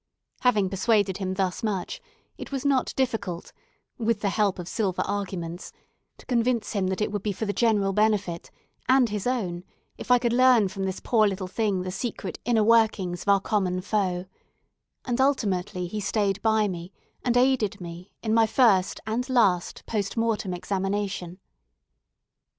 Having persuaded him thus much, it was not difficult, with the help of silver arguments to convince him that it would be for the general benefit and his own, if I could learn from this poor little thing the secret inner workings of our common foe; and ultimately he stayed by me, and aided me in my first and last post mortem examination.